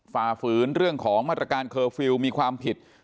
ฝ่าฝืนเรื่องของมาตรการเคอร์ฟิลล์มีความผิด